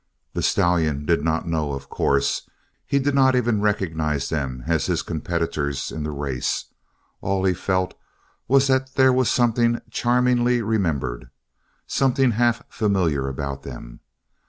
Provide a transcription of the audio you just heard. The stallion did not know, of course. He did not even recognize them as his competitors in the race. All he felt was that there was something charmingly remembered, something half familiar about them.